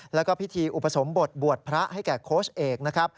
แล้วก็พิธีอุปสมบทบวชพระให้แก่โค้ชเอกนะครับ